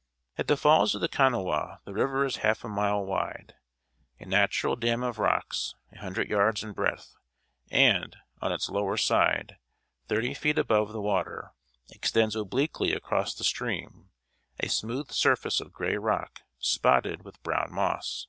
] At the Falls of the Kanawha the river is half a mile wide. A natural dam of rocks, a hundred yards in breadth, and, on its lower side, thirty feet above the water, extends obliquely across the stream a smooth surface of gray rock, spotted with brown moss.